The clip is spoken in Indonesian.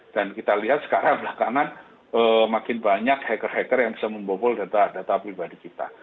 dan kita lihat sekarang belakangan makin banyak hacker hacker yang bisa membobol data data pribadi kita